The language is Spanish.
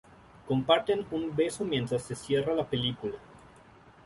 Comparten un beso mientras se cierra la película.